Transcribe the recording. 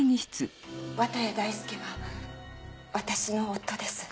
綿谷大介は私の夫です。